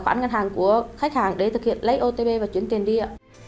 khách hàng để thực hiện lấy otp và chuyển tiền đi ạ